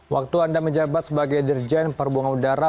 waktu anda menjabat sebagai dirjen perhubungan udara